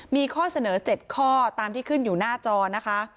มีข้อเสนอ๗ข้อตามที่ขึ้นอยู่หน้าจอนะคะ